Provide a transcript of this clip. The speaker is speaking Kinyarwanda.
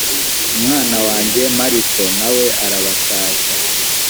umwana wanjye mariko na we arabatashya